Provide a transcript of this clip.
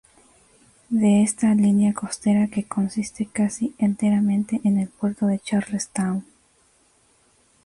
De esta línea costera que consiste casi enteramente en el puerto de Charlestown.